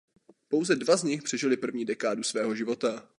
Pouze dva z nich přežili první dekádu svého života.